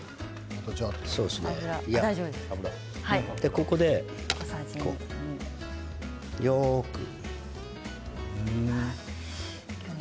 ここでよく油を。